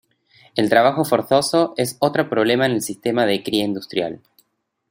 El trabajo forzoso es otro problema en el sistema de cría industrial.